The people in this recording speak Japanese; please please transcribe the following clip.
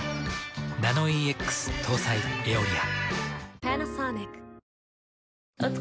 ナノイーＸ搭載「エオリア」。